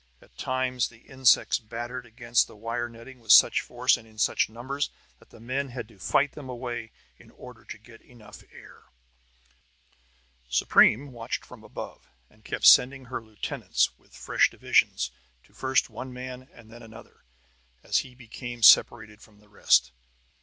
At times the insects battered against the wire netting with such force, and in such numbers, that the men had to fight them away in order to get enough air. Supreme watched from above, and kept sending her lieutenants with fresh divisions to first one man and then another, as he became separated from the rest.